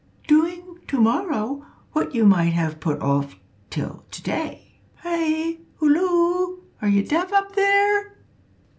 "Doing to morrow what you might have put off till to day." ("Hi! halloo! are you deaf up there?")